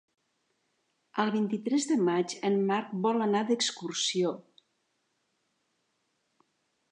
El vint-i-tres de maig en Marc vol anar d'excursió.